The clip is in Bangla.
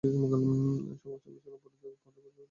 সমালোচনার পরে তিনি প্রতিমন্ত্রীর পদ থেকে পদত্যাগ করেছিলেন।